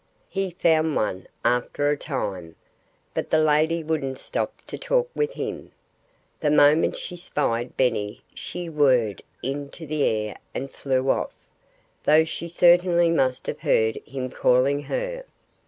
He found one, after a time. But the lady wouldn't stop to talk with him. The moment she spied Benny she whirred into the air and flew off, though she certainly must have heard him calling to her.